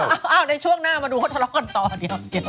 อ๊าวในช่วงหน้ามาดูกันทรงรอต่อ